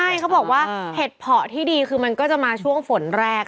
ใช่เขาบอกว่าเห็ดเพาะที่ดีคือมันก็จะมาช่วงฝนแรก